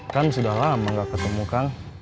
kan sudah lama gak ketemu kang